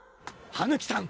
羽貫さん！